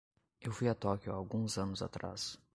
Eu fui a Tóquio há alguns anos atrás.